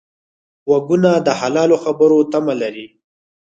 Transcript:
غوږونه د حلالو خبرو تمه لري